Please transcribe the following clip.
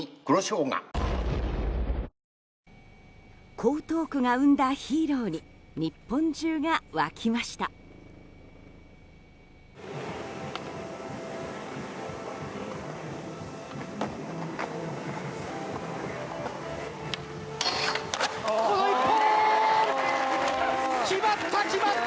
江東区が生んだヒーローに日本中が沸きました。